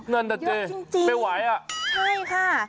นั่นแต่เจ๊ไม่ไหวอ่ะ